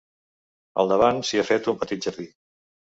Al davant s'hi ha fet un petit jardí.